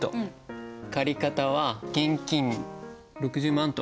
借方は現金６０万と。